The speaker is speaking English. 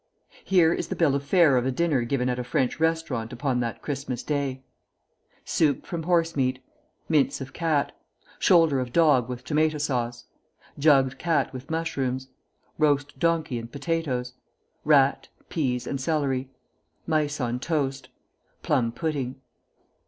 Here is the bill of fare of a dinner given at a French restaurant upon that Christmas Day: Soup from horse meat. Mince of cat. Shoulder of dog with tomato sauce. Jugged cat with mushrooms. Roast donkey and potatoes. Rat, peas, and celery. Mice on toast. Plum pudding.